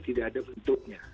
tidak ada bentuknya